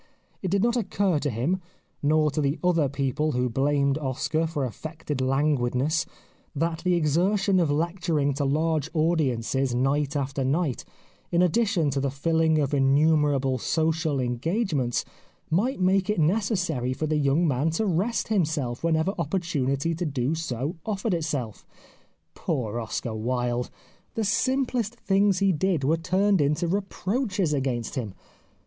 It did not occur to him, nor to the other people who blamed Oscar for affected languidness, that the exertion of lecturing to large audiences night after night, in addition to the filling of innumer able social engagements, might make it necessary for the young man to rest himself whenever op portunity to do so offered itself. Poor Oscar Wilde ! The simplest things he did were turned into reproaches against him.